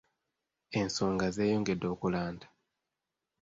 Ensonga zeeyongedde okulanda.